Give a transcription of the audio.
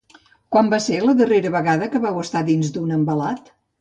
Quan va ser la darrera vegada que vau estar dins d’un envelat?